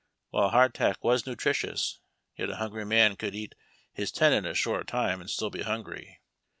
While hardtack was nutritious, yet a hungry man could eat his ten in a short time and still be hungry.